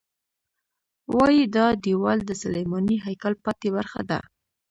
وایي دا دیوال د سلیماني هیکل پاتې برخه ده.